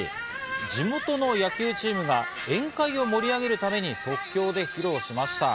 地元の野球チームが宴会を盛り上げるために即興で披露しました。